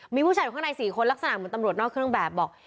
มีผู้ชายอยู่ข้างใน๔คนลักษณะเหมือนตำรวจนอกเครื่องแบบบอก